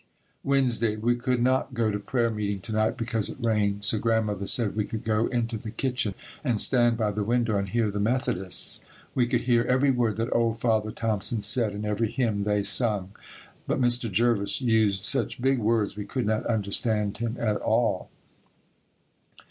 Wednesday. We could not go to prayer meeting to night because it rained, so Grandmother said we could go into the kitchen and stand by the window and hear the Methodists. We could hear every word that old Father Thompson said, and every hymn they sung, but Mr. Jervis used such big words we could not understand him at all.